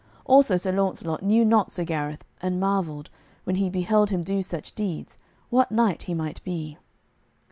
Also Sir Launcelot knew not Sir Gareth, and marvelled, when he beheld him do such deeds, what knight he might be.